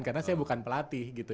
karena saya bukan pelatih gitu